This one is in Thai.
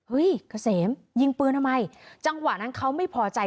เกษมยิงปืนทำไมจังหวะนั้นเขาไม่พอใจ